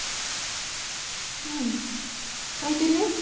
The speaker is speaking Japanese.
うん空いてるよ。